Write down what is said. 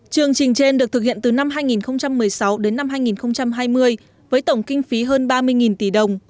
chương trình trên được thực hiện từ năm hai nghìn một mươi sáu đến năm hai nghìn hai mươi với tổng kinh phí hơn ba mươi tỷ đồng